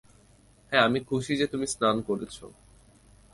হ্যাঁ, আমি খুশি যে তুমি স্নান করছো।